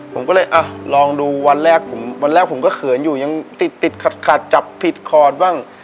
ผมก็เลยอ่ะลองดูวันแรกผมวันแรกผมก็เขินอยู่ยังติดติดขัดจับผิดคอดบ้าง